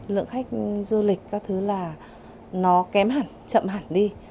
lượng khách du lịch các thứ là nó kém hẳn chậm hẳn đi